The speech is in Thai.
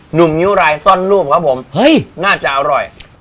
หนุ่มนิ้วไรซ่อนลูบน่าจะอร่อย